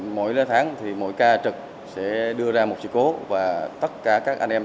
mỗi lă tháng thì mỗi ca trực sẽ đưa ra một sự cố và tất cả các anh em